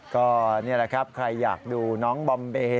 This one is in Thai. ก็นี่แหละครับใครอยากดูน้องบอมเบย์